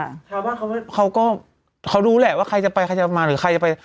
ชาวบ้านเขาก็เขารู้แหละว่าใครจะไปใครจะมาหรือใครจะไป